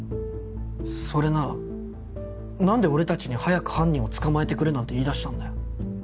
それなら何で俺たちに早く犯人を捕まえてくれなんて言いだしたんだよ。